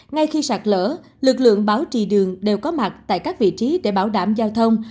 ngay khi sạt lở lực lượng bảo trì đường đều có mặt tại các vị trí để bảo đảm giao thông